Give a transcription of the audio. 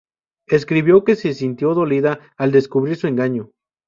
Escribió que se sintió dolida al descubrir su engaño.